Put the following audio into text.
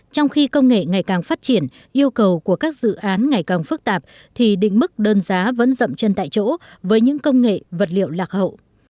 trong khi công nghệ ngày càng phát triển yêu cầu của các dự án ngày càng phức tạp thì định mức đơn giá vẫn rậm chân tại chỗ với những công nghệ vật liệu lạc hậu